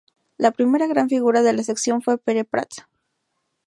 La primera gran figura de la sección fue Pere Prat.